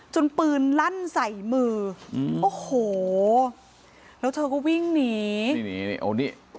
ปืนลั่นใส่มืออืมโอ้โหแล้วเธอก็วิ่งหนีนี่หนีนี่โอ้นี่